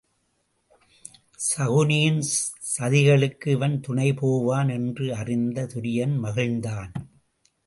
சகுனியின் சதிகளுக்கு இவன் துணை போவான் என்று அறிந்து துரியன் மகிழ்ந்தான்.